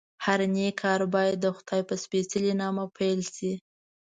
هر نېک کار باید دخدای په سپېڅلي نامه پیل شي.